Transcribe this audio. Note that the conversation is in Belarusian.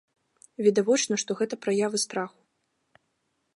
Відавочна, што гэта праява страху.